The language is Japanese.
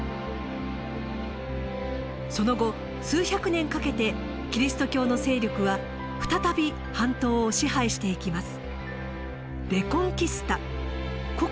その後数百年かけてキリスト教の勢力は再び半島を支配していきます。